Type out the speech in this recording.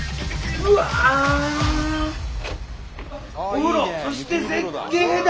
お風呂そして絶景だ！